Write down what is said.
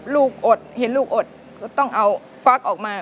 อดเห็นลูกอดก็ต้องเอาฟักออกมา